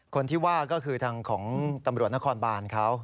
คนที่ว่าก็คือทางของตำรวจนครบานเขา